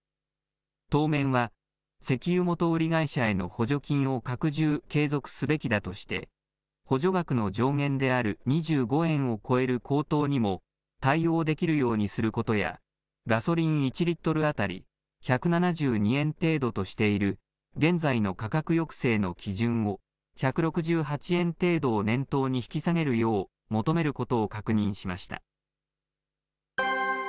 当面は石油元売り会社への補助金を拡充・継続すべきだとして、補助額の上限である２５円を超える高騰にも対応できるようにすることや、ガソリン１リットル当たり１７２円程度としている現在の価格抑制の基準を、１６８円程度を念頭に引き下げるよう求めることを確認しました。